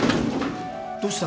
どうした？